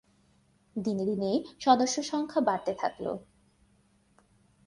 দিনে দিনে সদস্যসংখ্যা বাড়তে থাকল।